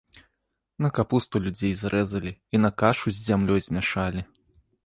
На капусту людзей зрэзалі і на кашу з зямлёй змяшалі.